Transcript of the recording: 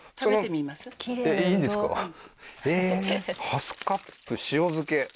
ハスカップ塩漬けあ